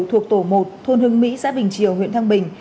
thuộc tổ một thôn hưng mỹ xã bình triều huyện thăng bình